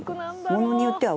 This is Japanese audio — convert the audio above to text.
ものによっては。